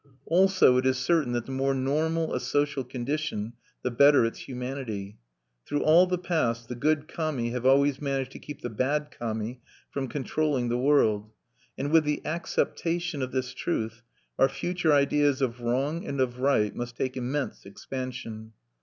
Also it is certain that the more normal a social condition, the better its humanity. Through all the past the good Kami have always managed to keep the bad Kami from controlling the world. And with the acceptation of this truth, our future ideas of wrong and of right must take immense expansion.